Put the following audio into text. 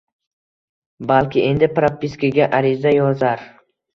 Balki Endi propiskaga ariza yozar